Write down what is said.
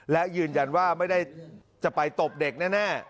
และยืนยันว่าไม่ได้จะไปตบเด็กแน่